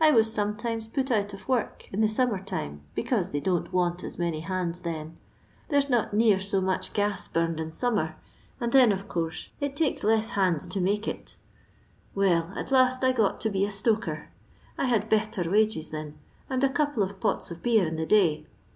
I was sometimes put out of work in the ^ summer time, because they don't want as many i hands then. There's not near so much gas burned in summer, and then, of course, it takes leas hands LONDON LABOUR AND THE LONDON POOR. 87 to make it Well, at Uut I got to be a itoker ; I had betther wagea thin, and a couple of pott of beer in the day.